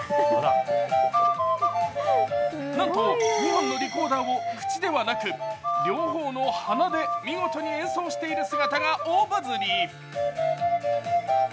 なんと２本のリコーダーを口ではなく、両方の鼻で見事に演奏している姿が大バズり。